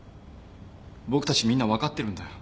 僕たちみんな分かってるんだよ。